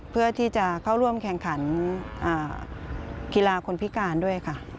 เพื่อที่จะเข้าร่วมแข่งขันกีฬาคนพิการด้วยค่ะ